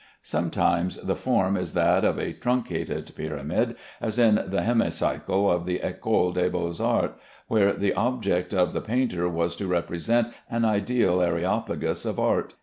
Sometimes the form is that of a truncated pyramid, as in the Hemicycle at the Ecole des Beaux Arts, where the object of the painter was to represent an ideal Areopagus of Art.